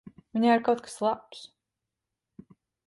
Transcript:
Viņā ir kaut kas labs.